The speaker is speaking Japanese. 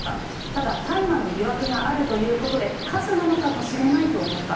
ただ、大麻の疑惑があるということで、かすなのかもしれないと思った。